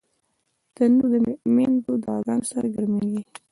تنور د میندو دعاګانو سره ګرمېږي